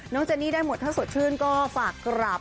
เจนี่ได้หมดถ้าสดชื่นก็ฝากกลับ